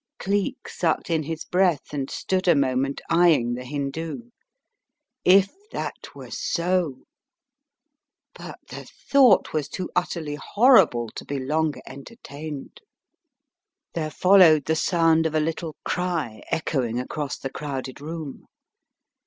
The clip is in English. Cleek sucked in his breath and stood a moment eyeing the Hindoo. If that were so — but the thought was too utterly horrible to be longer enter tained. There followed the sound of a little cry echoing across the crowded room.